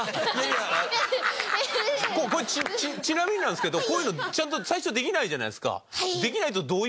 これちなみになんですけどこういうのちゃんと最初はできないじゃないですか。